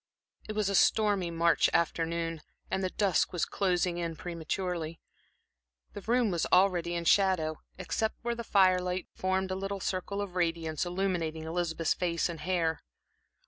It was a stormy March afternoon, and the dusk was closing in prematurely. The room was already in shadow, except where the firelight formed a little circle of radiance, illumining Elizabeth's face and hair.